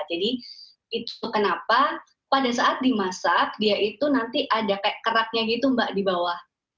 jadi itu kenapa pada saat dimasak dia itu nanti ada kayak keraknya gitu mbak di bawah